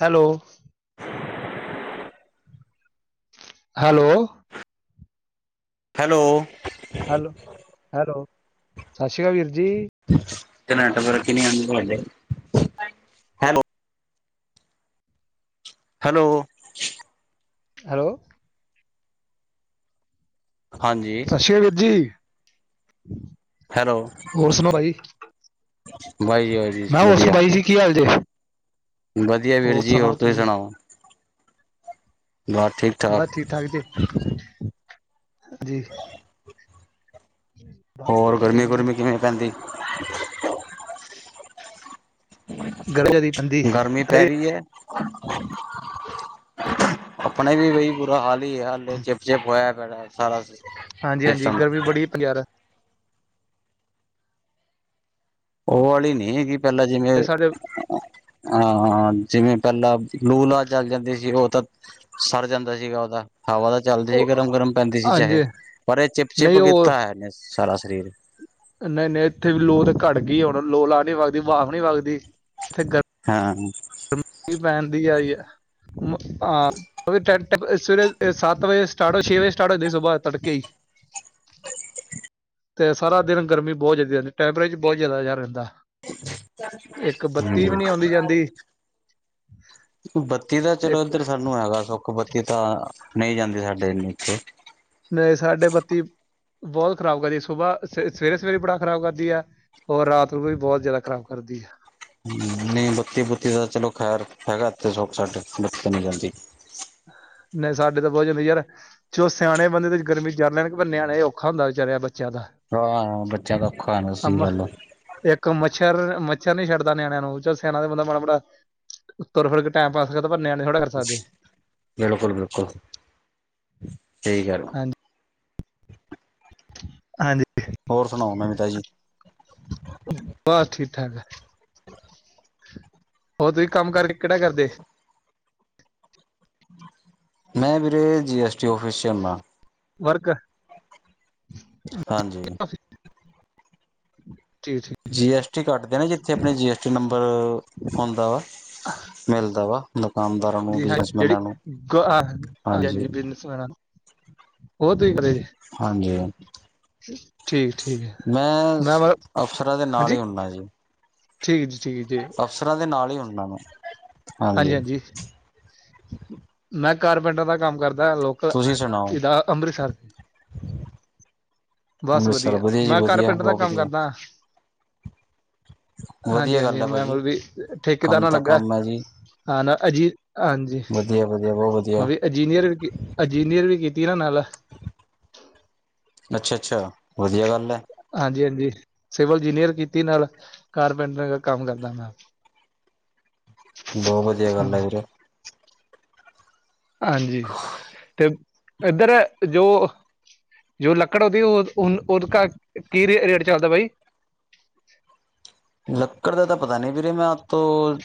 Hello. [inaudible] Hello. Hello. Hello, hello ਸਾਸ਼੍ਰੀ ਕਾਲ ਵੀਰ ਜੀ। ਨੈੱਟਵਰਕ ਈ ਨੀ ਆਂਦੇ ਤੂਆਡੇ। ਹੈਲੋ। ਹੈਲੋ। ਹਾਂਜੀ। ਛੀ ਵੀਰ ਜੀ, ਹੈਲੋ ਹੋਰ ਸੁਨਾਓ ਭਾਜੀ? ਵਾਹਿ ਜੀ ਵਾਹਿ ਜੀ ਮੈਂ ਹੋਰ ਸੁਨ ਬਾਈ ਜੀ, ਕੀ ਹਾਲ ਜੇ? ਵਦੀਆ ਵੀਰ ਜੀ, ਹੋਰ ਤੂਸੀ ਸੁਣਾਓ? ਘਾਰ ਬਾੱਹ ਠੀਕ-ਠਾਕ ਜੀ, ਜੀ। [inaudible] ਹੋਰ ਗਰਮੀ-ਗੁਰਮੀ ਕਿਵੇਂ ਪੈਂਦੀ? ਗਰਮੀ ਜਿਆਦੀ ਪੈਂਦੀ ਗਰਮੀ ਪੈ ਰੀ ਐ? [inaudible] ਅਪਨੇ ਵੀ ਬਈ ਬੁਰਾ ਹਾਲ ਕੀ ਹਾਲ ਨੇ ਚਿਪ-ਚਿਪ ਹੋਏਆ ਪੜੈ ਐ ਸਾਰਾ ਸਿਸ ਹਾਂਜੀ, ਹਾਂਜੀ ਗਰਮੀ ਬੜੀ [unintelligible] ਓ ਵਾਲੀ ਨੀ ਹੈਗੀ ਪੈਲਾਂ ਜਿਵੇਂ ਸਾਡੇ ਹਾਂ, ਹਾਂ ਜਿਵੇਂ ਪੈਲਾਂ ਲੂ ਲਾ ਚਾੱਲ ਜਾਂਦੀ ਸੀ, ਓ ਤਾਂ ਸਰ ਜਾਂਦਾ ਸੀਗਾ ਓਦਾ ਹਵਾ ਦਾ ਚੱਲਦੀ ਸੀ ਉਹ ਗਰਮ-ਗਰਮ ਪੈਂਦੀ ਸੀ ਚਾਹੇ, ਹਾਂਜੀ ਪਰ ਏ ਚਿਪ-ਚਿਪ ਨਹੀਂ ਕੀਤਾ ਐ ਇਨੇ ਸਾਰਾ ਸਰੀਰ। ਨਹੀ-ਨਹੀ ਇਥੇ ਵੀ ਲੂ ਤੇ ਘਾੱਟ ਗੀ ਏ ਹੂਨ, ਲੋ ਲਾਅ ਨੀ ਵਗਦੀ, ਵਾਪ ਨੀ ਵਗਦੀ, ਇਥੇ ਗਰਮੀ ਹਾਂ। [unintelligible] ਪੈਂਦੀ ਆਈ ਐ, ਹਾਂ ਥੋੜੇ ਟੈਮ ਤਕ ਸਵੇਰੇ ਸਾੱਤ ਵਜੇ ਸਟਾਰਟ ਹੋ ਜੇ, ਛੇ ਵਜੇ ਸਟਾਰਟ ਹੋ ਜੇ ਸੁਬਾ ਤੜਕੇ ਈ ਤੇ ਸਾਰਾ ਦਿਨ ਗਰਮੀ ਬੋਤ [unintelligible] ਬੋਤ ਜਾਦਾ ਰੈਂਦਾ। [unintelligible] ਆਉਂਦੀ ਜਾਂਦੀ ਬੱਤੀ ਤਾਂ, ਚਲੋ ਇੱਕ ਇਦਰ ਸਾਨੂੰ ਹੈਗਾ ਸੁੱਖ, ਬੱਤੀ ਤਾਂ ਨਹੀਂ ਜਾਂਦੀ ਸਾਡੇ ਇਨੀ ਇਥੇ। ਨਹੀ ਸਾਡੇ ਬੱਤੀ ਬੋਤ ਖਰਾਬ ਕਰਦੀ ਸੁਬਾ ਸ ਸਵੇਰੇ-ਸਵੇਰੇ ਬੜਾ ਖਰਾਬ ਕਰਦੀ ਐ ਔਰ ਰਾਤ ਨੂੰ ਵੀ ਬੋਤ ਜਾਦਾ ਖਰਾਬ ਕਰਦੀ ਐ। ਨਹੀ ਬੱਤੀ-ਬੁੱਤੀ ਦਾ ਚਲੋ ਖੈਰ ਹੈਗੈ ਏਥੇ ਸੁਖ ਸਾਡੇ ਬਾਤੀ ਤਾ ਨੀ ਜਾਂਦੀ। ਨਹੀ ਸਾਡੇ ਤੇ ਬੋਤ ਜਾਂਦੀ ਯਾਰ। ਜੋ ਸਿਆਣੇ ਬੰਦੇ ਤੇ ਗਰਮੀ ਜਰ ਲੈਨ, ਪਰ ਨਿਆਣੇ ਔਖਾ ਹੁੰਦੈ ਵਿਚਾਰੇਆਂ ਬੱਚੇਆਂ ਦਾ। ਹਾਂ, ਬੱਚੇਆਂ ਦਾ ਔਖਾ ਹੋਨੈ, ਸਈ ਗਾੱਲ ਐ। ਏਕ ਮੱਛਰ, ਮੱਛਰ ਨੀ ਛੱਡਦਾ ਨਿਆਣੇਆਂ ਨੂੰ, ਚਲ ਸਿਆਣਾ ਤਾ ਬੰਦਾ ਮਾੜਾ ਮੋਟਾ ਤੁਰ ਫਿਰ ਟੈਮ ਪਾਸ ਕਰ, ਪਰ ਨਿਆਣੇ ਥੋੜਾ ਕਰ ਸਕਦੇ। ਬਿਲਕੁਲ, ਬਿਲਕੁਲ ਸਈ ਕੈ ਰੇ ਓ। ਹਾਂਜੀ ਹਾਂਜੀ ਹੋਰ ਸੁਣਾਓ ਨਵੀਤਾ ਜੀ [unintelligible] ਬਸ, ਠੀਕ- ਠਾਕ, ਹੋਰ ਤੁਸੀਂ ਕੰਮ ਕਰਕੇ ਕਿਹੜਾ ਕਰਦੇ? ਮੈਂ ਵੀਰੇ, ਜੀ ਐਸ ਟੀ ਔਫਿਸ ਚ ਹੋਨਾ। ਵਰਕ? ਹਾਂਜੀ। ਜੀ, ਜੀ। ਜੀਐਸਟੀ, ਕੱਟਦੇ ਨਾ ਜਿੱਥੇ ਆਪਣੇ, ਜੀਐਸਟੀ ਨੰਬਰ ਹੁੰਦਾ ਵਾ, ਮਿਲਦਾ ਵਾ। ਦੁਕਾਨਦਾਰਾਂ ਨੂੰ ਹਾਂਜੀ ਜਿਹੜੀ ਬਿਜਨਸਮੈਨਾਂ ਨੂੰ ਹਾਂਜੀ ਹਾਂਜੀ ਬਿਨੈ ਉਹ ਤੁਸੀ ਕਰੇ ਜੇ [unintelligible] ਹਾਂਜੀ ਹ ਠੀਕ। ਠੀਕ ਹੈ ਮੈਂ, ਅਫਸਰਾਂ ਦੇ ਨਾਲ ਹਾਂਜੀ ਹੀ ਹੁੰਦਾ ਜੀ। ਠੀਕ, ਜ ਠੀਕ ਜੀ ਅਫਸਰਾਂ ਦੇ ਨਾਲ ਹੀ ਹੋਨਾ ਮਾ। ਹਾਂਜੀ, ਹਾਂਜੀ ਮੈਂ ਕਾਰਪੈਂਟਰ ਦਾ ਕੰਮ ਕਰਦਾ ਲੋਕ [unintelligible] ਤੁਸੀਂ ਸੁਣਾਓ ਇਹਦਾ ਅੰਮ੍ਰਿਤਸਰ ਬਸ ਅੰਮ੍ਰਿਤਸਰ ਵਧੀਆ, ਜੀ ਮੈਂ ਵਧੀਆ ਕਾਰਪੈਂਟਰ ਦਾ ਬਹੁਤ ਕੰਮ ਵਧੀਆ ਕਰਦਾ। ਹਾਂਜੀ, ਵਧੀਆ ਹਾਂਜੀ ਗੱਲ ਹੈ ਮੈ [unintelligible] ਮਲ ਭਾਜੀ ਵੀ ਠੇਕੇਦਾਰ ਕੰਮ ਨਾਲ ਤਾਂ ਲੱਗਾ। ਕੰਮ ਹੈ ਜੀ ਹਾਂ, ਨਾ ਅਜੀ ਹਾਂਜੀ ਵਧੀਆ ਵਧੀਆ ਬਹੁਤ ਉਹ ਵਧੀਆ ਵੀ। ਇਜੀਨੀਅਰ ਵੀ ਇਜੀਨੀਅਰ ਵੀ ਕੀਤੀ ਨਾ ਨਾਲ। ਅੱਛਾ, ਅੱਛਾ ਵਧੀਆ ਗੱਲ ਹੈ। ਹਾਂਜੀ, ਹਾਂਜੀ ਸਿਵਲ ਇੰਜੀਨੀਅਰ ਕੀਤੀ ਨਾਲ ਕਾਰਪੈਂਟਰ ਕੰਮ ਕਰਦਾ ਮੈਂ ਬਹੁ ਵਧੀਆ, ਗੱਲ ਹੈ ਹਾਂਜੀ ਵੀਰੇ। ਹਾਂਜੀ, ਤੇ ਇੱਧਰ ਜੋ ਜੋ ਲੱਕੜ ਉਹਦੀ ਉਹਦ ਕਾ ਕੀ ਰੇਟ ਚੱਲਦਾ ਬਾਈ? [inaudible] [inaudible] ਲੱਕੜ ਦਾ ਤਾ ਪਤਾ ਨਹੀਂ, ਵੀਰੇ ਮੈਂ ਆਪ ਤੋਂ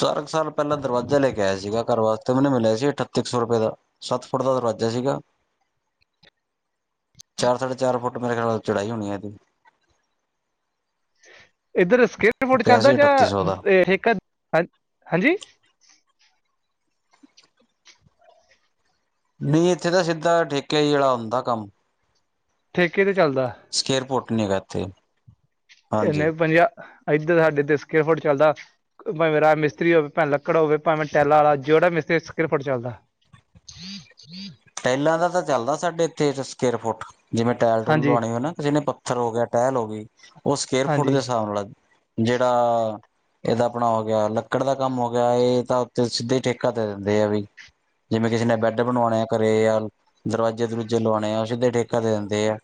ਚਾਰ ਕੁ ਸਾਲ, ਪਹਿਲਾਂ ਦਰਵਾਜ਼ਾ ਲੈ ਕੇ ਆਇਆ ਸੀਗਾ ਘਰ ਵਾਸਤੇ ਤੇ ਮੈਨੂੰ ਮਿਲਿਆ ਸੀ ਅਠੱਤੀ ਕੁ ਸੌ ਰੁਪਏ, ਦਾ ਸੱਤ ਫੁੱਟ ਦਾ ਦਰਵਾਜ਼ਾ ਸੀਗਾ ਚਾਰ, ਸਾਢੇ ਚਾਰ ਫੁੱਟ ਮੇਰੇ ਖਿਆਲ ਚੋੜ੍ਹਾਈ ਹੋਣੀ ਇਹਦੀ। ਇੱਧਰ ਸਕਿਪਟ ਫੁੱਟ ਪਿਆ ਚੱਲਦਾ ਸੀ ਜਾਂ ਅਠੱਤੀ ਸੌ ਦਾ ਹੇਕਰ ਹਾਂਜੀ? ਨਹੀਂ, ਇੱਥੇ ਤਾਂ ਸਿੱਧਾ ਠੇਕੇ ਈ ਆਲਾ ਹੁੰਦਾ ਕੰਮ। ਠੇਕੇ ਤੇ ਚੱਲਦਾ? ਸਕੇਅਰ ਫੋਟ ਨਹੀਂ ਹੈਗਾ ਇਥੇ। ਇਹਨੇ ਪੰਜਾਹ ਏਧਰ ਸਾਡੇ ਤੇ ਸਕੇਅਰ ਫੁੱਟ ਚੱਲਦਾ। ਭਾਵੇ ਰਾ ਮਿਸਤਰੀ ਹੋਵੇ, ਭਾਵੇ ਲੱਕੜ ਹੋਵੇ, ਭਾਵੇਂ ਟੈਲਾ ਵਾਲਾ ਜਿਹੜਾ ਮਿਸਤਰੀ ਸਕੇਰ ਫੁੱਟ ਚੱਲਦਾ। ਹਮ ਹਮ [inaudible] [unintelligible] ਟਾਇਲਾਂ ਦਾ ਤਾਂ ਚੱਲਦਾ ਸਾਡੇ ਇੱਥੇ ਸਕੇਅਰ ਫੁੱਟ, ਜਿਵੇਂ ਟਾਇਲ, ਟੂਲ ਹਾਂਜੀ ਲਵਾਉਣੀ ਹੋਵੇ ਨਾ ਕਿਸੇ ਨੇ ਪੱਥਰ ਹੋ ਗਿਆ, ਟਾਇਲ ਹੋ ਗਈ ਉਹ ਸਕੇਅਰ ਫੁੱਟ ਹਾਂਜੀ ਦੇ ਹਿਸਾਬ ਨਾਲ ਆ ਜਿਹੜਾ ਇਹਦਾ ਆਪਣਾ ਹੋ ਗਿਆ, ਲੱਕੜ ਦਾ ਕੰਮ ਹੋ ਗਿਆ ਇਹ ਤਾਂ ਉੱਥੇ ਸਿੱਧੇ ਹੀ ਠੇਕਾ ਦੇ ਦਿੰਦੇ ਆ ਵੀ। ਜਿਵੇਂ, ਕਿਸੇ ਨੇ ਬੈਡ ਬਣਵਾਉਣੇ ਆ। ਘਰੇ ਆ ਦਰਵਾਜ਼ੇ, ਦਰੂਜੇ ਲਵਾਉਣੇ ਆ ਉਹ ਸਿੱਧੇ ਠੇਕਾ ਦੇ ਦਿੰਦੇ ਏ।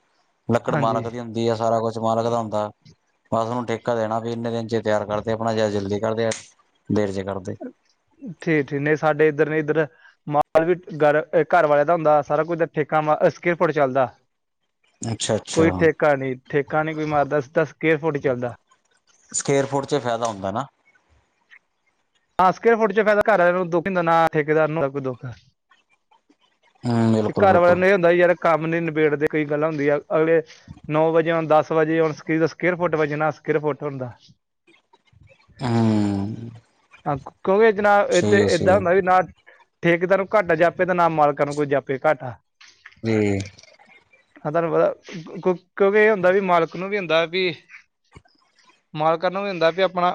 ਲੱਕੜ ਹਾਂਜੀ ਮਾਲਕ ਦੀ ਹੁੰਦੀ ਵੀ ਆ ਸਾਰਾ ਕੁਛ ਮਾਲਕ ਦਾ ਹੁੰਦਾ ਬਸ, ਉਹਨੂੰ ਠੇਕਾ ਦੇਣਾ ਵੀ ਇੰਨੇ ਦਿਨ ਜੇ ਤਿਆਰ ਕਰਦੇ ਆਪਣਾ ਜਾਂ ਜਲਦੀ ਕਰਦੇ ਦੇਰ ਚ ਕਰਦੇ। ਠੀਕ, ਠੀ ਨਹੀਂ ਸਾਡੇ ਇੱਧਰ ਨੇ ਇੱਧਰ ਮਾਲ ਵੀ ਗਰ ਘਰ ਵਾਲੇ ਦਾ ਹੁੰਦਾ, ਸਾਰਾ ਕੁੱਝ ਦਾ ਠੇਕਾ ਮ ਸਕੇਰ ਫੁੱਟ ਚੱਲਦਾ। ਅੱਛਾ ਕੋਈ ਅੱਛਾ ਠੇਕਾ ਨੀ, ਠੇਕਾ ਨਹੀਂ ਕੋਈ ਮਾਰਦਾ ਸਿੱਧਾ ਸਕੇਅਰ ਫੁੱਟ ਹੀ ਚੱਲਦਾ। ਸਕੇਅਰ ਫੁੱਟ, ਚ ਫਾਇਦਾ ਹੁੰਦਾ ਨਾ। ਹਾਂ, ਸਕਵੇਅਰ ਫੁੱਟ ਚ ਫਾਇਦਾ ਘਰ ਆਲੇ ਨੂੰ ਦੁੱਖ ਨੀ ਹੁੰਦਾ ਨਾ, ਠੇਕੇਦਾਰ ਨੂੰ ਨਾ ਕੋਈ ਦੁਖ ਏ। ਹੂੰ ਬਿਲਕੁਲ ਘਰ ਵਾਲਿਆਂ ਬਿਲਕੁਲ ਨੂੰ ਇਹ ਹੁੰਦਾ ਯਾਰ ਕੰਮ ਨੀ ਨਬੇੜਦੇ, ਕਈ ਗੱਲਾਂ ਹੁੰਦੀਆਂ ਅਗਲੇ ਨੌ ਵਜੇ ਹੋਣ ਦਸ ਵਜੇ ਹੋਣ ਸਕੇਅਰ ਦਾ ਸਕੇਅਰ ਫੁੱਟ ਵਜਨਾ ਸਕੇਅਰ ਫੁੱਟ ਹੁੰਦਾ। ਹਮ ਹਾਂ, ਕਿਉਂਕਿ ਜਨਾਬ ਇਥੇ ਹੈ ਇਦਾ- ਏਦਾਂ ਸਹੀ ਹੈ ਹੁੰਦਾ ਵੀ ਨਾ ਠੇਕੇਦਾਰ ਨੂੰ ਘਾਟਾ ਜਾਪੇ ਤਾਂ ਨਾ, ਮਾਲਕਾਂ ਨੂੰ ਕੋਈ ਜਾਪੇ ਘਾਟਾ। ਜੀ। ਹਾਂ ਤੁਹਾਨੂੰ ਪਤਾ ਕਿਉਂਕਿ, ਇਹ ਹੁੰਦਾ ਵੀ ਮਾਲਕ ਨੂੰ ਵੀ ਹੁੰਦਾ ਵੀ ਮਾਲਕਾ ਨੂੰ ਵੀ ਹੂੰਦਾ ਵੀ ਆਪਣਾ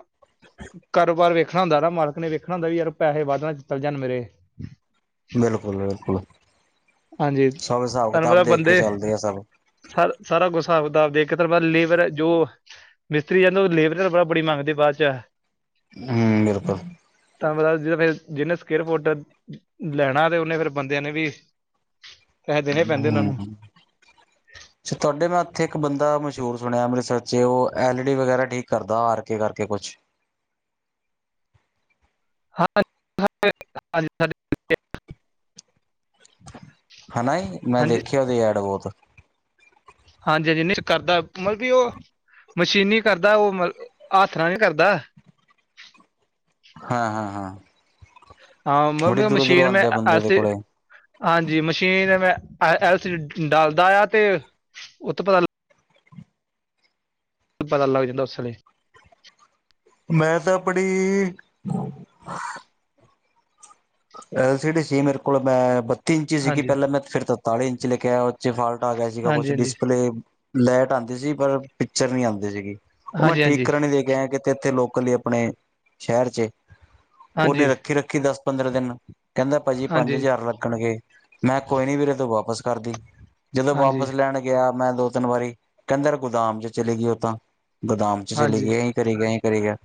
ਕਾਰੋਬਾਰ ਵੇਖਣਾ ਹੁੰਦਾ ਨਾ ਮਾਲਕ ਨੇ ਵੇਖਣਾ ਹੁੰਦਾ ਵੀ ਯਾਰ ਪੈਸੇ ਵੱਧ ਨਾ ਚਲ ਜਾਣ ਮੇਰੇ। ਬਿਲਕੁਲ ਬਿਲਕੁਲ। ਹਾਂਜੀ, ਸਭ ਹਿਸਾਬ ਤਹਨੂੰ ਕਿਤਾਬ ਪਤਾ ਦੇਖ ਕੇ ਬੰਦੇ ਚੱਲਦੇ ਆ ਸਭ ਸ ਸਾਰਾ ਕੁ ਹਿਸਾਬ ਕਿਤਾਬ ਆਪ ਦੇਖ ਕੇ ਲੇਬਰ ਏ ਜੋ ਮਿਸਤਰੀ, ਜਦ ਨੂੰ ਉਹ ਲੇਬਰ ਬੜੀ ਮੰਗਦੇ ਬਾਅਦ ਚ ਹੂੰ ਬਿਲਕੁਲ, ਤੁਹਾਨੂੰ ਪਤਾ ਜੇ ਫਿਰ ਜਿੰਹਨੇ ਸਕੇਅਰ ਫੁੱਟ ਲੈਣਾ, ਤੇ ਉਹਨੇ ਫੇਰ ਬੰਦਿਆਂ ਨੇ ਵੀ ਪੈਸੇ ਦੇਣੇ ਪੈਂਦੇ ਉਹਨਾਂ ਨੂੰ ਹੂੰ, [inaudible] ਤੁਹਾਡੇ ਮੈਂ, ਉੱਥੇ ਇੱਕ ਬੰਦਾ ਮਸ਼ਹੂਰ ਸੁਣਿਆ ਅੰਮ੍ਰਿਤਸਰ ਚ ਉਹ ਐਲ ਈ ਡੀ ਵਗੈਰਾ ਠੀਕ ਕਰਦਾ। ਆਰ ਕੇ ਕਰਕੇ ਕੁਛ। ਹਾਂ [unintelligible] ਹਨਾ ਈ, ਮੈਂ ਹਾਂਜੀ ਦੇਖਿਆ ਉਹਦੇ ਐਡ ਬਹੁਤ। ਹਾਂਜੀ ਹਾਂਜੀ, ਨਹੀ ਕਰਦਾ ਏ ਮਤਲਬ ਕੀ ਉਹ ਮਸ਼ੀਨੀ ਕਰਦਾ ਉਹ ਮਲ ਹੱਥ ਨਾਲ ਵੀ ਕਰਦਾ। ਹਾਂ, ਹਾਂ ਹਾਂ। ਹਾਂ, ਮ ਬੜੀ ਵੀ ਦੂਰੋਂ ਦੂਰੋਂ ਮਸ਼ੀਨ ਮੈਂ ਆਉਂਦੇ ਆ ਬੰਦੇ ਦੇ ਅਸੀ ਕੋਲੇ ਹਾਂਜੀ, ਮਸ਼ੀਨ ਮੈਂ ਐਲ ਸੀ ਡੀ ਲਦਾ ਆ ਤੇ ਉੱਥੋਂ ਪਤਾ ਪਤਾ ਲੱਗ ਜਾਂਦਾ ਉਸ ਵੇਲੇ। ਮੈਂ ਤਾਂ ਆਪਣੀ ਐਲ ਸੀ ਡੀ ਸੀ ਮੇਰੇ ਕੋਲ ਮੈਂ ਬੱਤੀ ਇੰਚੀ ਸੀਗੀ ਹਾਂਜੀ ਪਹਿਲਾਂ, ਮੈਂ ਫਿਰ ਤਰਤਾਲੀ ਇੰਚ ਲੈ ਕੇ ਆਇਆ ਉਹਦੇ ਚ ਫਾਲ ਹੈਗਾ ਸੀਗਾ ਕੁਛ ਹਾਂਜੀ ਹਾਂਜੀ ਡਿਸਪਲੇ ਲੈਟ ਆਉਂਦੀ ਸੀ। ਪਰ ਪਿਕਚਰ ਨਹੀਂ ਆਉਂਦੀ ਸੀਗੀ। ਉਹ ਮੈਂ ਹਾਂਜੀ ਠੀਕ ਹਾਂਜੀ ਕਰਨ ਦੇ ਕੇ ਆਇਆ ਕਿਤੇ ਇੱਥੇ ਲੋਕਲ ਹੀ ਆਪਣੇ ਸ਼ਹਿਰ ਚ ਉਹਨੇ ਹਾਂਜੀ ਰੱਖੀ ਰੱਖੀ ਦੱਸ ਅਗਲੇ ਦਿਨ ਕਹਿੰਦਾ ਭਾਜੀ ਪੰਜ ਹਾਂਜੀ ਹਜ਼ਾਰ ਲੱਗਣਗੇ, ਮੈਂ ਕੋਈ ਨੀ ਵੀਰੇ ਤੂੰ ਵਾਪਿਸ ਕਰਦੀ। ਜਦੋਂ ਵਾਪਸ ਹਾਂਜੀ ਲੈਣ ਗਿਆ ਮੈਂ ਦੋ ਤਿੰਨ ਵਾਰੀ, ਕਹਿੰਦਾ ਯਾਰ ਗੋਦਾਮ ਚ ਚਲੀ ਗਈ ਉਹ ਤਾਂਹ, ਗੋਦਾਮ ਚ ਚਲੀ ਹਾਂਜੀ ਗਈ ਏ। ਕਰੀ ਗਿਆ ਕਰੀ ਗਿਆ।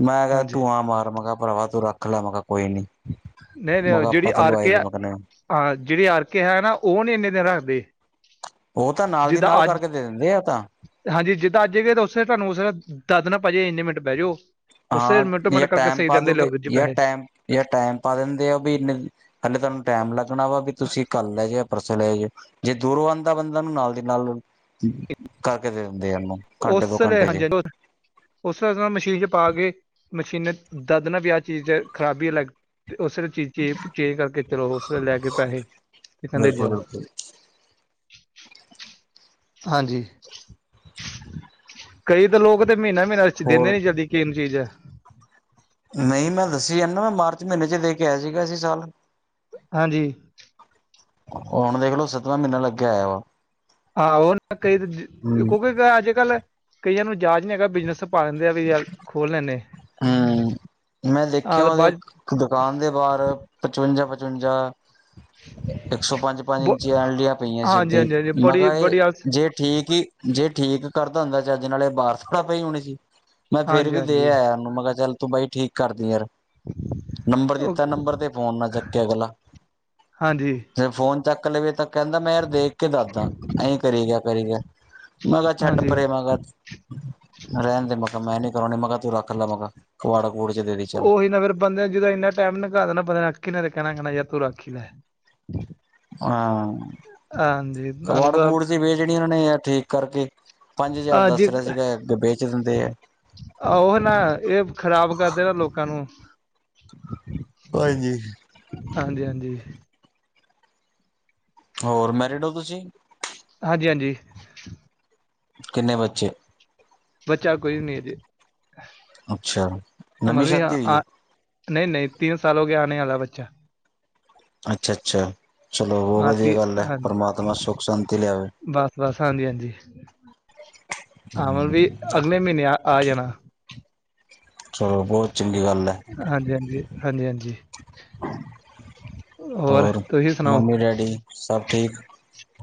ਮੈਂ ਕਿਹਾ ਤੂੰ ਹਾਂਜੀ ਠੁਆ ਮਾਰ ਮਗਾ ਭਰਾਵਾ ਤੂੰ ਰੱਖ ਲੈ ਮੈ ਕਿਹਾ ਕੋਈ ਨੀ। ਨਈ ਨਈ, ਮੈਂ ਉਹ ਕਿਹਾ ਜੇਹੜੀ ਆਪਾਂ ਤਾਂ ਲਵਾਈ ਆਰਕੇ ਲਈ ਹੈ। ਮੈਂ ਕਿਹਾ ਹਾਂ ਜਿਹੜੀ ਆਰਕੇ ਹੈ ਨਾ ਉਹ ਨੀ ਇੰਨੇ ਦਿਨ ਰੱਖਦੇ ਓ ਤਾਂ ਨਾਲ ਦੀ ਜਿੱਦਾਂ ਨਾਲ ਅੱਜ ਕਰਕੇ ਦੇ ਦਿੰਦੇ ਆ ਤਾਂ ਹਾਂਜੀ, ਜਿੱਦਾਂ ਅੱਜ ਉਥੇ ਤੁਹਾਨੂੰ ਦੱਸਦਾ ਭਾਜੀ ਇੰਨੇ ਮਿੰਟ ਬਹਿ ਜਾਓ। ਉਸੇ ਆ ਮਿੰਟੋ ਏ ਮਿੰਟ ਕਰਕੇ ਟੈਮ ਸਹੀ ਪਾ ਦਿੰਦੇ ਦੋਗੇ ਲਓ ਵੀਰ ਜੀ ਯਾ ਪੈਸੇ ਟੈਮ ਯਾ ਟੈਮ ਪਾ ਦਿੰਦੇ ਆ ਵੀ ਇੰਨੇ ਹਲੇੇ ਤੁਹਾਨੂੰ ਟਾਈਮ ਲੱਗਣਾ ਵਾ ਵੀ ਤੁਸੀਂ ਕੱਲ ਲੈ ਜੇ ਪਰਸੋਂ ਲੈ ਜਇਓ ਜੇ ਦੂਰ ਬੰਦਾ ਨੂੰ ਨਾਲ ਦੀ ਨਾਲ ਕਰਕੇ ਦੇ ਦਿੰਦੇ ਉਹਨੂੰ ਘੰਟੇ ਉਸ ਦੋ ਵੇਲੇ ਘੰਟੇ ਚ ਹਾਂਜੀ [unintelligible] ਉਸ ਤਰ੍ਹਾਂ ਨਾਲ ਮਸ਼ੀਨ ਚ ਪਾ ਕੇ ਮਸ਼ੀਨ ਦੱਸ ਦੇਣਾ ਵੀ ਆ ਚੀਜ਼ ਖ਼ਰਾਬੀ ਹੈ। ਲੱਗ ਤੇ ਉਸੇ ਵੇਲੇ ਚੀਜ਼ ਚੇ ਚੇਂਜ ਕਰਕੇ ਚਲੋ ਉਸ ਵੇਲੇ ਲੈ ਕੇ ਪੈਸੇ ਤੇ ਕਹਿੰਦੇ ਬਿਲਕੁਲ ਜਾਓ ਬਿਲਕੁਲ ਹਾਂਜੀ, ਕਈ ਤਾਂ ਲੋਕ ਤੇ ਮੀਨਾ ਮੀਨਾ ਵਿਚ ਦਿੰਦੇ ਹੋਰ ਨੀ ਜਲਦੀ ਕਿੰਨੀ ਚੀਜ਼ ੲੈ। ਨਹੀਂ, ਮੈਂ ਦੱਸੀ ਜਾਨਾ ਵਾ ਮਾਰਚ ਮਹੀਨੇ ਚ ਲੈ ਕੇ ਆਇਆ ਸੀ ਗਾ ਐਸੀ ਸਾਲ। ਹਾਂਜੀ। ਹੁਣ ਵੇਖਲੋ ਸੱਤਵਾਂ ਮਹੀਨਾ ਲੱਗਿਆ ਹੋਇਆ ਵਾ। ਹਮ [unintelligible] ਅੱਜ ਕੱਲ ਕਈਆਂ ਨੂੰ ਜਾਚ ਨਹੀਂ ਹੈਗਾ। ਬਿਜਨਸ ਪਾ ਲੈਂਦੇ ਆ ਵੀ ਯਾਰ ਖੋਲ ਲੈਂਨੇ। ਹੂੰ, ਮੈਂ ਦੇਖਿਆ ਉਹਦੇ ਬਾਅਦ ਦੁਕਾਨ ਦੇ ਬਾਹਰ ਪਚਵੰਜਾ ਪਚਵੰਜਾ [inaudible] ਇੱਕ ਸੌ ਪੰਜ ਪੰਜ ਬ ਇੰਚੀ ਐਲ ਡੀਆਂ ਪਈਆਂ ਸੀ। ਹਾਂਜੀ ਏਦਾਈ ਹਾਂਜੀ ਹਾਂਜੀ ਬੜੀ ਮਗਰ ਬੜੀ ਆਲਸ ਇਹ ਜੇ ਠੀਕ ਈ। ਜੇ ਠੀਕ ਕਰਦਾ ਹੁੰਦਾ ਚੱਜ ਨਾਲ ਏ ਬਾਰ ਥੋੜੀ ਪਈ ਹੋਣੀ ਸੀ। ਮੈਂ ਫੇਰ ਹਾਂਜੀ ਵੀ ਦੇ ਹਾਂਜੀ ਆਇਆ ੳਨੂੰ। ਮੈਂ ਕਿਹਾ ਚੱਲ ਤੂੰ ਬਾਈ ਠੀਕ ਕਰਦੀ ਯਾਰ। ਨੰਬਰ ਉਹ ਦਿੱਤਾ ਨੰਬਰ ਤੇ ਫੋਨ ਨਾਂ ਚੱਕੇ ਅਗਲਾ। ਹਾਂਜੀ ਤੇ ਫੋਨ ਚੱਕ ਲਵੇ ਤਾਂ ਕਹੰਦਾ। ਮੈਂ ਯਾਰ ਦੇਖ ਕੇ ਦੱਸਦਾ ਐਈ ਕਰੀ ਗਿਆ - ਕਰੀ ਗਿਆ। ਮੈਂ ਕਿਹਾ ਛੱਡ ਹਾਂਜੀ ਪਰੇ ਮੈਂ ਕਿਹਾ ਰਹਿਣ ਦੇ ਮ ਕਿਹਾ ਮੈਂ ਨੀ ਕਰਾਉਣੀ ਮੈਂ ਕਿਹਾ ਤੂੰ ਰੱਖ ਕਰ ਮਗਾ ਕਵਾੜਾ - ਕੁੂੜ ਚ ਦੇ ਦੇ ਚੱਲ। ਉਹੀ ਨਾ ਫੇਰ ਬੰਦੇ ਨੇ ਜਦੋਂ ਇੰਨਾ ਟਾਈਮ ਨਿਘਾ ਦੇਣਾ ਬੰਦੇ ਨੇ ਰਾਖੀ ਨਾਲ ਤੇ ਕਹਿਣਾ ਕਹਿਣਾ ਯ ਤੂੰ ਰਾਖੀ ਲੇ। ਹਾਂ। ਹਾਂਜੀ ਤੁਹਾਨੂੰ ਕਵਾੜ - ਕਬੂੜ ਪਤਾ ਦੀ ਵੇ ਜਿਹੜੀ ਉਹਨਾਂ ਨੇ ਆ ਠੀਕ ਕਰਕੇ ਪੰਜ ਹਜ਼ਾਰ ਦੱਸ ਹਾਂਜੀ ਰਿਆ ਸੀਗਾ ਬੇਚੱ ਦਿੰਦੇ ਆ। ਉਹ ਨਾ ਇਹ ਖ਼ਰਾਬ ਕਰਦੇ ਨਾ ਲੋਕਾਂ ਨੂੰ। ਹਾਂਜੀ। ਹਾਂਜੀ - ਹਾਂਜੀ। ਹੋਰ ਮੈਰਿਡ ਓ ਤੁਸੀਂ। ਹਾਂਜੀ - ਹਾਂਜੀ। ਕਿੰਨੇ ਬੱਚੇ? ਬੱਚਾ ਕੋਈ ਵੀ ਨੀ ਅਜੇ ਅੱਛਾ ਨਵੀਂ ਅਮਰ ਵੀ ਹ। ਸ਼ਾਦੀ ਹੋਈ ਹੈ ਨਈ ਨਈ ਤਿੰਨ ਸਾਲ ਹੋ ਗਿਆ। ਆਣੇ ਵਾਲਾ ਬੱਚਾ ਅੱਛਾ - ਅੱਛਾ ਚਲੋ ਹਾਂ ਵਧੀਆ ਤੀ ਗੱਲ ਏ ਹਾਂਜੀ ਪਰਮਾਤਮਾ ਸੁੱਖ ਸ਼ਾਂਤੀ ਲਿਆਵੇ। ਬਸ - ਬਸ ਹਾਂਜੀ। ਹਾਂਜੀ ਹੱਨ ਵੀ ਹਮ, ਅਗਲੇ ਮਹੀਨੇ ਆ ਆ ਜਾਣਾ। ਚਲੋ ਬੋਤ ਚੰਗੀ ਗੱਲ ਏ। ਹਾਂਜੀ - ਹਾਂਜੀ - ਹਾਂਜੀ- ਹਾਂਜੀ। ਹੋਰ ਤੁਸੀਂ ਸੁਣਾਓ। ਮੰਮੀ ਡੈਡੀ ਸਭ ਠੀਕ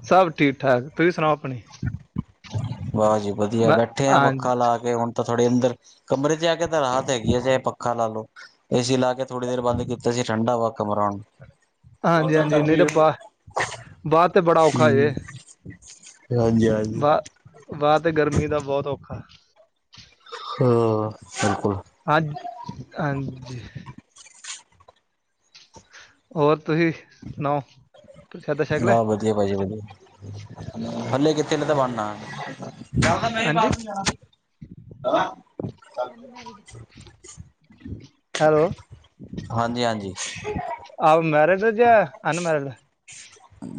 ਸਭ ਠੀਕ ਠਾਕ ਤੁਸੀਂ ਸੁਣਾਓ। ਆਪਣੀ ਵਾਂ ਜੀ ਵਧੀਆ ਮੈਂ ਬੈਠੇ ਆ। ਹਾਂ ਪੱਖਾ ਲਾ ਕੇ ਹੁਣ ਤਾਂ ਥੋੜੇ ਅੰਦਰ। ਕਮਰੇ ਚ ਆ ਕੇ ਤਾਂ ਰਾਹਤ ਹੈਗੀ ਆ। ਚਾਹੇ ਪੱਖਾ ਲਾ ਲੋ ਏਸੀ ਲਾ ਕੇ। ਥੋੜ੍ਹੀ ਦੇਰ ਬੰਦ ਕੀਤਾ ਸੀ। ਠੰਡਾ ਵਾ ਕਮਰਾ ਹੁਣ। ਹਾਂਜੀ - ਹਾਂਜੀ ਨੀ ਤਾਂ ਬਾਹ ਬਾਅਦ ਤੇ ਬੜਾ ਔਖਾ ਜੇ ਹਾਂਜੀ- ਹਾਂਜੀ ਵਾਹ ਬਾਹਰ ਤੇ ਗਰਮੀ ਦਾ ਬੋਹਤ ਔਖਾ। ਹਾ ਬਿਲਕੁਲ। ਹਾਂ ਹਾਂਜੀ। ਹੋਰ ਤੁਸੀਂ ਸੁਣਾਓ। ਪ੍ਰਸ਼ਾਦਾ ਛਕ ਲਿਆ ਹਾਂ ਵਧੀਆ ਪਾਜੀ ਵਧੀਆ ਹਲੇ ਕਿਥੇ ਹਲੇ ਤਾਂ ਬਣਨਾ। [inaudible] ਹਾਂਜੀ ਹੈਲੋ? ਹਾਂਜੀ ਹਾਂਜੀ ਆਪ ਮੈਰੀਜ ਓ ਕੀ ਅਨ ਮੈਰੀਜ?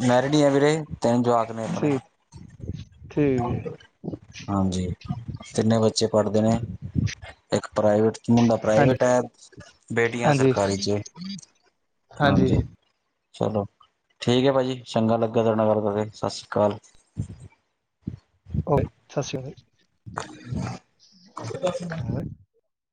ਮੈਰਿਡ ਹੀ ਆ ਵੀਰੇ ਤਿੰਨ ਜਵਾਕ ਨੇ ਆਪਣੇ। ਠੀਕ ਠੀਕ ਹੈ ਹਾਂਜੀ ਤਿੰਨੇ ਬੱਚੇ ਪੜ੍ਹਦੇ ਨੇ। ਇੱਕ ਪ੍ਰਾਈਵੇਟ ਮੁੰਡਾ ਹਾਂਜੀ ਪ੍ਰਾਈਵੇਟ ਹੈ। ਬੇਟੀਆਂ ਹਾਂਜੀ ਸਰਕਾਰੀ ਚ' ਹਾਂਜੀ। ਚਲੋ ਠੀਕ ਹੈ। ਭਾਜੀ ਚੰਗਾ ਲੱਗਾ ਤੁਹਾਡੇ ਨਾਲ ਗੱਲ ਕਰਕੇ। ਸਤਿ ਸ਼੍ਰੀ ਅਕਾਲ। ਸਸੀ ਹਏ [unintelligible] ਓਕੇ।